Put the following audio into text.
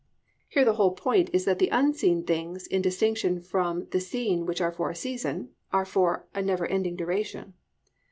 "+ Here the whole point is that the unseen things in distinction from the seen which are for a season are for a never ending duration.